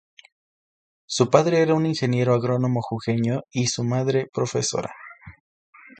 Su padre era un ingeniero agrónomo jujeño y su madre profesora.